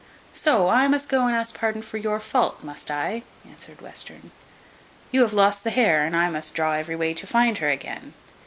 "So I must go and ask pardon for your fault, must I?" answered Western. "You have lost the hare, and I must draw every way to find her again?